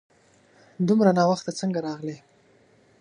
دومره ناوخته څنګه راغلې ؟